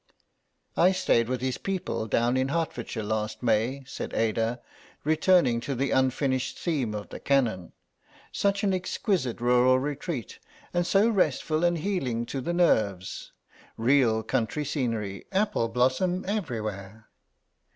"I stayed with his people down in Herefordshire last May," said Ada, returning to the unfinished theme of the Canon; "such an exquisite rural retreat, and so restful and healing to the nerves. Real country scenery; apple blossom everywhere."